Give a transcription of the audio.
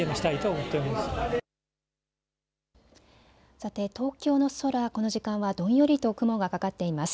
さて東京の空、この時間はどんよりと雲がかかっています。